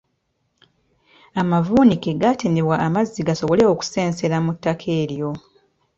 Amavuunike gatemebwa amazzi gasobole okusensera mu ttaka eryo.